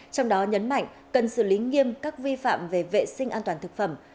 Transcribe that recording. trong đó nhấn mạnh cần xử lý nghiêm các vi phạm về vệ sinh an toàn thực phẩm